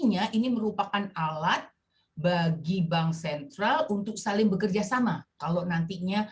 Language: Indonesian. di dunia nah artinya ini merupakan alat bagi bank sentral untuk saling bekerja sama kalau nantinya